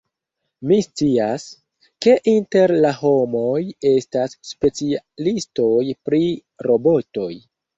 Mi scias, ke inter la homoj estas specialistoj pri robotoj.